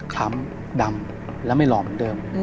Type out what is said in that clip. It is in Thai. คล้ำดำและไม่หล่อเหมือนเดิม